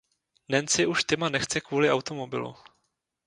Nancy už Tima nechce kvůli automobilu.